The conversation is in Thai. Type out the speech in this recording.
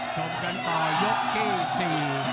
ชมกันต่อยกที่สี่